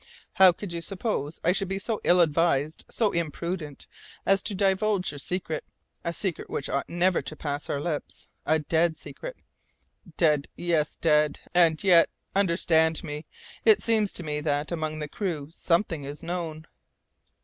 "How could you suppose I should be so ill advised, so imprudent, as to divulge your secret, a secret which ought never to pass our lips a dead secret?" "Dead, yes, dead! And yet, understand me, it seems to me that, among the crew, something is known."